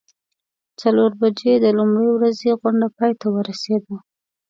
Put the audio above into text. څلور بجې د لومړۍ ورځې غونډه پای ته ورسیده.